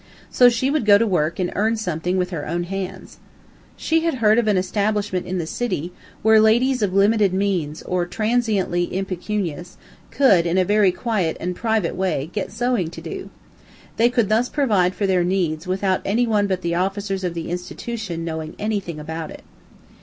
So she would go to work and earn something with her own hands. She had heard of an establishment in the city, where ladies of limited means, or transiently impecunious, could, in a very quiet and private way, get sewing to do. They could thus provide for their needs without any one but the officers of the institution knowing anything about it.